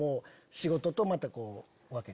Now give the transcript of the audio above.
仕事とまた分けて？